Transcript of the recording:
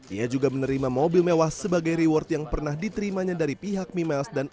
ia juga menerima mobil mewah sebagai reward yang pernah diterimanya dari pihak mimiles dan